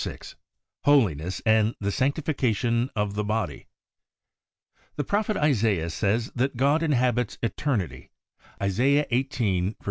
VI HOLINESS AND THE SANCTIFICATION OF THE BODY The Prophet Isaiah says that God inhabits Eternity (Isaiah Ivii.